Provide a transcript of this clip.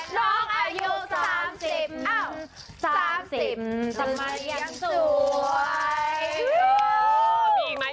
น้องอายุสามสิบอ้าวสามสิบทำไมยังสวย